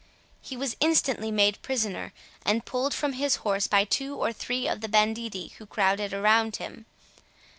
He was instantly made prisoner, and pulled from his horse by two or three of the banditti who crowded around him.